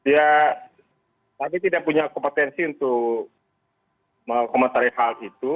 ya kami tidak punya kompetensi untuk mengomentari hal itu